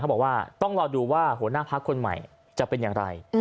บอกว่าต้องรอดูว่าหัวหน้าพักคนใหม่จะเป็นอย่างไร